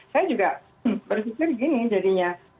saya juga berpikir gini jadinya